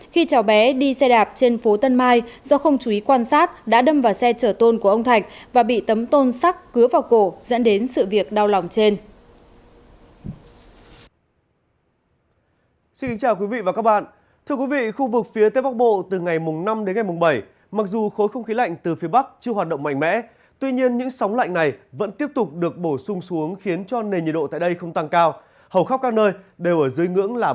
khi cháu bé đi xe đạp trên phố tân mai do không chú ý quan sát đã đâm vào xe trở tôn của ông thạch và bị tấm tôn sắc cứa vào cổ dẫn đến sự việc đau lòng trên